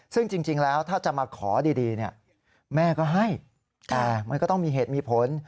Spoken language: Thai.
ซึ่งจริงแล้วถ้าจะมาขอดีแม่ก็ให้แต่มันก็ต้องมีเหตุมีผล